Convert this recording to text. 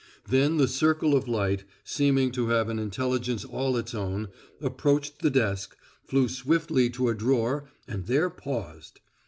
Than the circle of light, seeming to have an intelligence all its own, approached the desk, flew swiftly to a drawer and there paused.